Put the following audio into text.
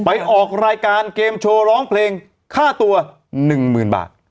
ออกรายการเกมโชว์ร้องเพลงค่าตัว๑๐๐๐บาท